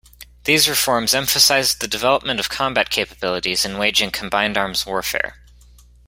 These reforms emphasized the development of combat capabilities in waging combined arms warfare.